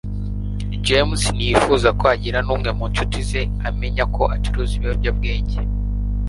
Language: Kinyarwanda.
james ntiyifuzaga ko hagira n'umwe mu ncuti ze amenya ko acuruza ibiyobyabwenge